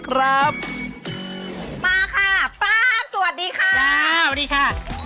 มาค่ะซวัสดีค่ะ